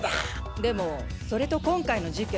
でもそれと今回の事件